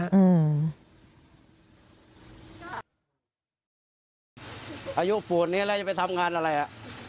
ไอ้ทหารขวู้นนี้แหละจะไปทำงานอะไรหรอ